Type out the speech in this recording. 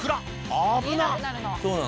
危なっ！